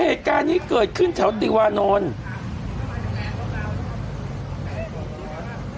เหตุการณ์นี้เกิดขึ้นแถวติวานนท์